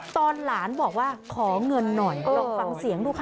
ตอนหลานบอกว่าขอเงินหน่อยลองฟังเสียงดูค่ะ